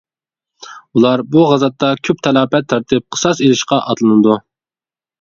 ئۇلار بۇ غازاتتا كۆپ تالاپەت تارتىپ قىساس ئېلىشقا ئاتلىنىدۇ.